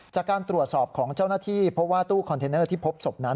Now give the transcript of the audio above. จากการตรวจสอบของเจ้าหน้าที่พบว่าตู้คอนเทนเนอร์ที่พบศพนั้น